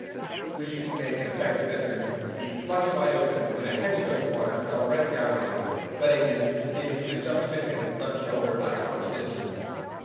Wishing to make an effective entrance, he flung it wide open, when a heavy jug of water fell right down on him, wetting him to the skin, and just missing his left shoulder by a couple of inches.